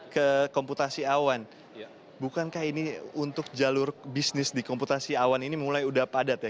ke komputasi awan bukankah ini untuk jalur bisnis di komputasi awan ini mulai udah padat ya